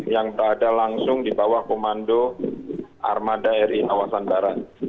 yang berada langsung di bawah komando armada ri nawasan barat